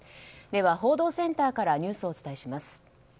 では、報道センターからニュースをお伝えします。